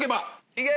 いけ！